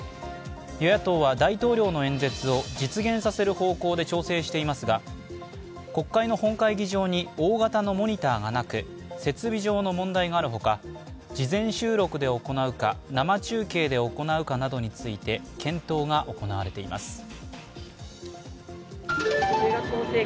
与野党は大統領の演説を実現させる方向で調整していますが国会の本会議場に大型のモニターがなく設備上の問題があるほか、事前収録で行うか、生中継で行われるかについて検討が行われています。